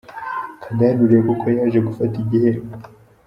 Kanda hano urebe uko yaje gufata igihembo